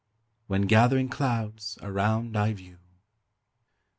WHEN GATHERING CLOUDS AROUND I VIEW.